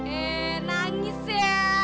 eh nangis ya